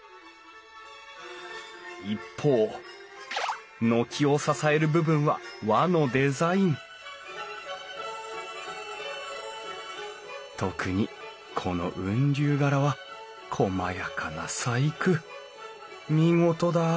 一方軒を支える部分は和のデザイン特にこの雲龍柄はこまやかな細工。